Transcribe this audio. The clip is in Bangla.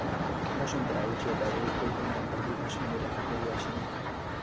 বসন্ত রায় উঠিয়া দাঁড়াইয়া কহিলেন, একবার বিভার সঙ্গে দেখা করিয়া আসি না কেন?